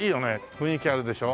雰囲気あるでしょ？